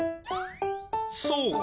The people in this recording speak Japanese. そう！